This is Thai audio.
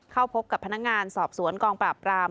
เข้าพบกับพนักงานสอบสวนกองปราบราม